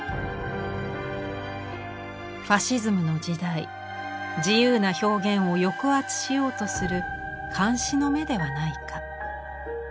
ファシズムの時代自由な表現を抑圧しようとする監視の眼ではないか。